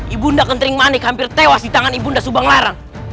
ibunda kentering manik hampir tewas di tangan ibunda subanglarang